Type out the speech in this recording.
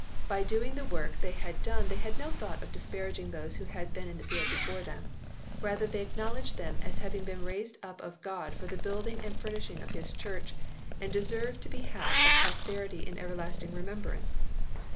By doing the work they had done they had no thought of disparaging those who had been in the field before them. Rather they acknowledged them as having been raised up of God for the building and furnishing of His Church, and deserve to be had of posterity in everlasting remem brance.